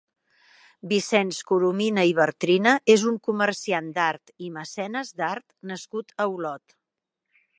Vicenç Coromina i Bartrina és un comerciant d'art i mecenes d'art nascut a Olot.